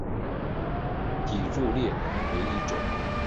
脊柱裂为一种。